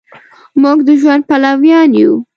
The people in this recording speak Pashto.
مونږ د ژوند پلویان یو